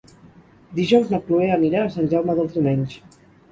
Dijous na Cloè anirà a Sant Jaume dels Domenys.